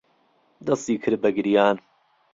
دەستی کرد بە گریان.